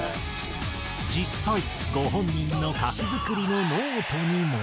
実際ご本人の歌詞作りのノートにも。